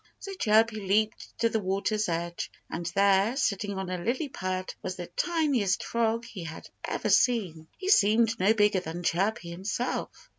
So Chirpy leaped to the water's edge; and there, sitting on a lily pad, was the tiniest Frog he had ever seen. He seemed no bigger than Chirpy himself.